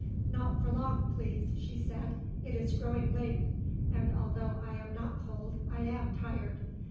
"Not for long, please," she said. "It is growing late and although I am not cold I am tired.